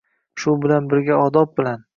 shu bilan birga odob bilan